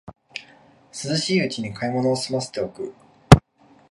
涼しいうちに買い物をすませておく